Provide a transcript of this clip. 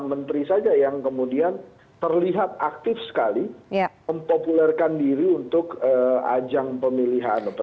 menteri saja yang kemudian terlihat aktif sekali mempopulerkan diri untuk ajang pemilihan